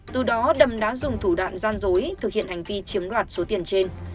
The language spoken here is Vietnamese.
từ đó đâm đã dùng thủ đạn gian dối thực hiện hành vi chiếm đoạt số tiền trên